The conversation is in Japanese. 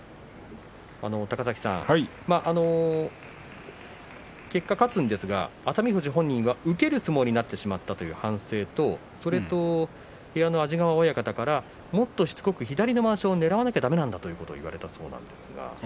高崎さん、結果、勝つんですが熱海富士本人は受ける相撲になってしまったという反省と部屋の安治川親方からもっとしつこく左のまわしをねらわなくては、だめなんだと言われたそうです